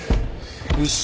よし。